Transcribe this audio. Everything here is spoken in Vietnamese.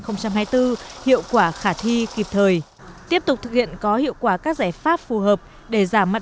năm hai nghìn hai mươi bốn hiệu quả khả thi kịp thời tiếp tục thực hiện có hiệu quả các giải pháp phù hợp để giảm mặt